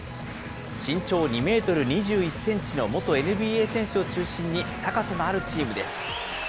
身長２メートル２１センチの元ＮＢＡ選手を中心に、高さのあるチームです。